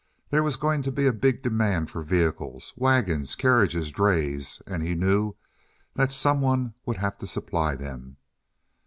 There was going to be a big demand for vehicles—wagons, carriages, drays—and he knew that some one would have to supply them.